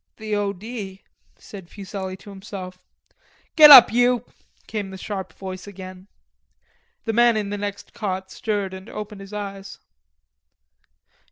"The O. D." said Fuselli to himself. "Get up, you," came the sharp voice again. The man in the next cot stirred and opened his eyes.